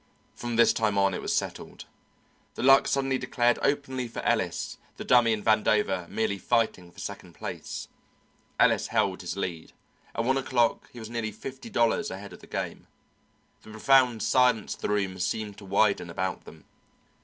From this time on it was settled. The luck suddenly declared openly for Ellis, the Dummy and Vandover merely fighting for second place. Ellis held his lead; at one o'clock he was nearly fifty dollars ahead of the game. The profound silence of the room seemed to widen about them.